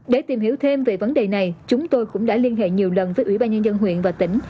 để tìm hiểu thêm về vấn đề này chúng tôi cũng đã liên hệ nhiều lần với ủy ban nhân dân huyện và tỉnh